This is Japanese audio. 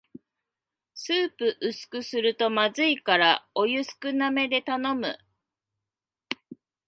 スープ薄くするとまずいからお湯少なめで頼む